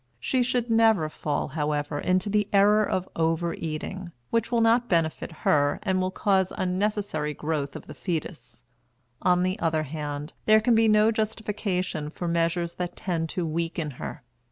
She should never fall, however, into the error of over eating, which will not benefit her and will cause unnecessary growth of the fetus. On the other hand, there can be no justification for measures that tend to weaken her.